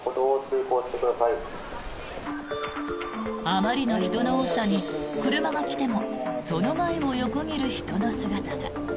あまりの人の多さに車が来てもその前を横切る人の姿が。